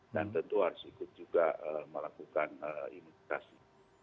dan tentu harus ikut juga melakukan imitasi